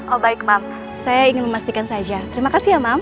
oh baik mam saya ingin memastikan saja terima kasih ya mam